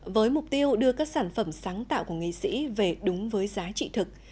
với mục tiêu đưa các sản phẩm sáng tạo của nghệ sĩ về đúng với giá trị thực